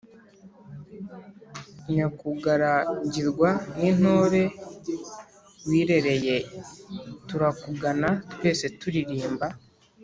nyakugaragirwa n'intore wirereye turakugana twese turirimba ;